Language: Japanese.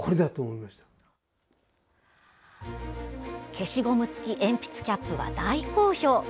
消しゴム付き鉛筆キャップは大好評。